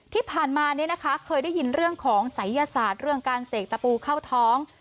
ที่ผ่านมาเคยได้ยินเรื่องของศัยยศาสตร์เรื่องการเสกตะปูเข้าท้อง